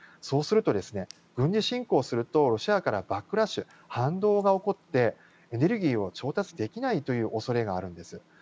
そうすると軍事侵攻するとロシアからバックラッシュ、反動が起こってエネルギーを調達できないという恐れがあるんです。